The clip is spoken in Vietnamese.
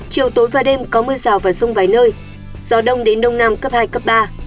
chiều tối và đêm có mưa rào và rông vài nơi gió nhẹ